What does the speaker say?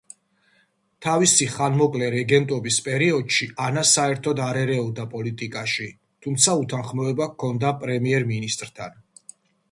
თავისი ხანმოკლე რეგენტობის პერიოდში ანა საერთოდ არ ერეოდა პოლიტიკაში, თუმცა უთანხმოება ჰქონდა პრემიერ-მინისტრთან.